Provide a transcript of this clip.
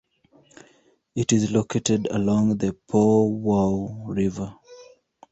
It is located along the Powwow River.